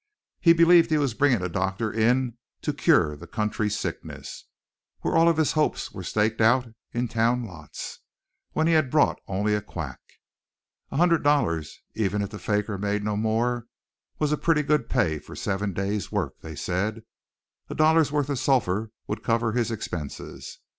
He believed he was bringing a doctor in to cure the country's sickness, where all of his hopes were staked out in town lots, when he had brought only a quack. A hundred dollars, even if the faker made no more, was pretty good pay for seven days' work, they said. A dollar's worth of sulphur would cover his expenses.